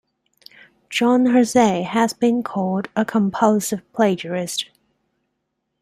John Hersey has been called a compulsive plagiarist.